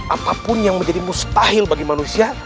apapun yang menjadi mustahil bagi manusia